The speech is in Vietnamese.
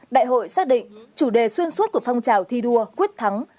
đại hội xác định chủ đề xuyên suốt của phong trào thi đua quyết thắng